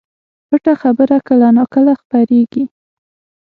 پټه خبره کله نا کله خپرېږي